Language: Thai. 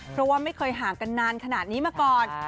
เพราะว่าไม่เคยห่างกันนานขนาดนี้มาก่อน